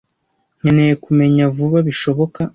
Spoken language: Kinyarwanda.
Nkeneye kumenya vuba bishoboka.